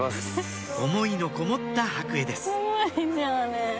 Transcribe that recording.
思いのこもった白衣です